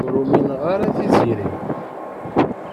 Ur umineɣ ara Tiziri.